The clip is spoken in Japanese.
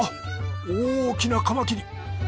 大きなカマキリ！